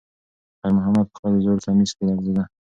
خیر محمد په خپل زوړ کمیس کې لړزېده.